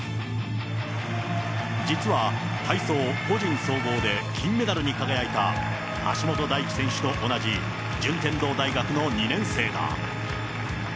実は体操個人総合で金メダルに輝いた橋本大輝選手と同じ、順天堂大学の２年生だ。